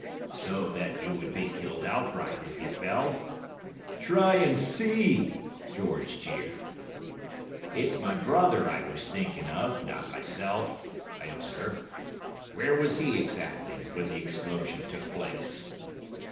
"'So that you would be killed outright, if you fell?' "'Try and see,' George jeered. "'It's my brother I was thinking of, not myself,' I observed. 'Where was he exactly, when the explosion took place?